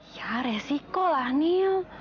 ya resiko lah nil